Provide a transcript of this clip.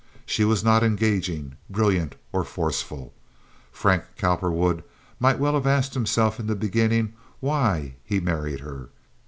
She was not engaging, brilliant, or forceful. Frank Cowperwood might well have asked himself in the beginning why he married her.